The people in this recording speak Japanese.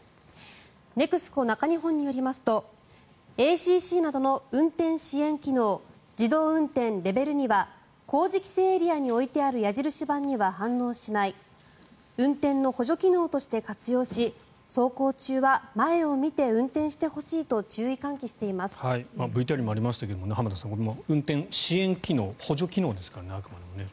ネクスコ中日本によりますとＡＣＣなどの運転支援機能自動運転レベル２は工事規制エリアに置いてある矢印板には反応しない運転の補助機能として活用し走行中は前を見て運転してほしいとＶＴＲにもありましたが浜田さん、運転支援機能補助機能ですから、あくまでも。